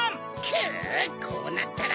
くこうなったら！